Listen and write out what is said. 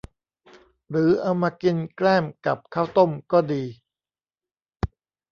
หรือเอามากินแกล้มกับข้าวต้มก็ดี